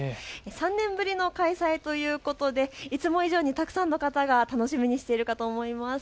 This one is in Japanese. ３年ぶりの開催ということでいつも以上にたくさんの方が楽しみにしているかと思います。